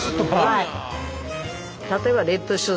はい。